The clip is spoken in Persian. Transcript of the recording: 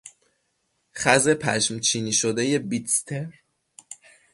خز پشمچینی شدهی بیدستر